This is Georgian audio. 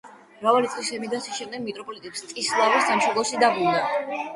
მრავალი წლის ემიგრაციის შემდეგ, მიტროპოლიტი მსტისლავი სამშობლოში დაბრუნდა.